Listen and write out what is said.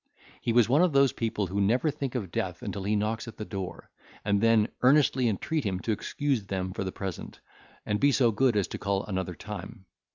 He was one of those people who never think of death until he knocks at the door, and then earnestly entreat him to excuse them for the present, and be so good as to call another time.